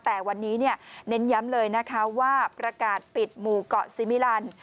แต่วันนี้เน้นย้ำเลยนะคะว่าประกาศปิดหมู่เกาะซิมิลัน